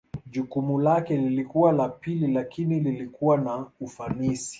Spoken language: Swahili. Jukumu lake lilikuwa la pili lakini lilikuwa na ufanisi.